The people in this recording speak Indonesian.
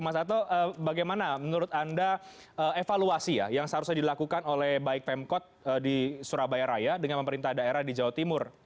mas ato bagaimana menurut anda evaluasi ya yang seharusnya dilakukan oleh baik pemkot di surabaya raya dengan pemerintah daerah di jawa timur